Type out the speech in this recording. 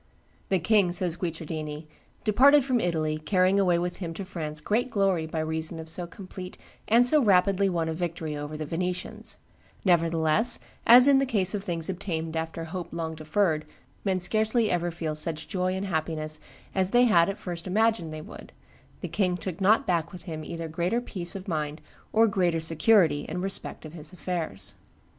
"The king," says Guicciardini, "departed from Italy, carrying away with him to France great glory by reason of so complete and so rapidly won a victory over the Venetians; nevertheless, as in the case of things obtained after hope long deferred men scarcely ever feel such joy and happiness as they had at first imagined they would, the king took not back with him either greater peace of mind or greater security in respect of his affairs."